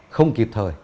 không kịp thời